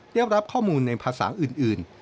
เรียบรับข้อมูลในภาษาอื่น